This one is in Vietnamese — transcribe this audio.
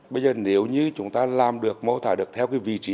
bây giờ nếu như chúng ta làm được mô tả được theo cái vị trí